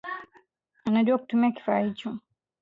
Najua kutumia kifaa hicho